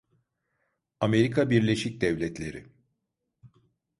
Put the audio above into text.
Amerika Birleşik Devletleri.